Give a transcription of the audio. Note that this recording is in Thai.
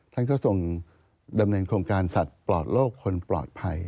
ท่านก็ทรงดำเนินโครงการสัตว์ปลอดโลกคนปลอดภัย